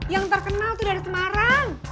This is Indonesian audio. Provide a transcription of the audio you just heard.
yang terkenal tuh dari semarang